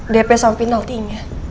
dp sama penaltinya